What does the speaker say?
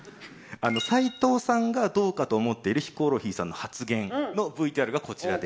齊藤さんがどうかと思ってるヒコロヒーさんの発言のＶＴＲがこちらです。